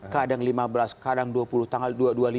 kadang lima belas kadang dua puluh tanggal dua puluh lima